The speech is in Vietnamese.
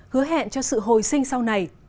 hứa hẹn cho sự hồi sinh sau này